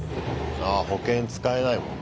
あ保険使えないもんね。